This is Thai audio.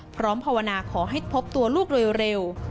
พร้อมภาวนาขอให้พบตัวลูกเร็ว